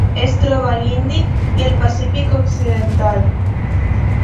Es troba a l'Índic i el Pacífic occidental.